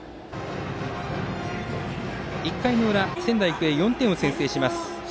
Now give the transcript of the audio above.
１回の裏、仙台育英が４点を先制します。